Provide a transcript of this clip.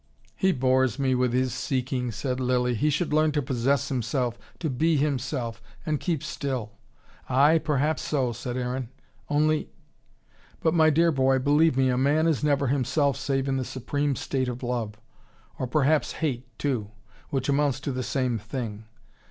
"He bores me with his seeking," said Lilly. "He should learn to possess himself to be himself and keep still." "Ay, perhaps so," said Aaron. "Only " "But my dear boy, believe me, a man is never himself save in the supreme state of love: or perhaps hate, too, which amounts to the same thing.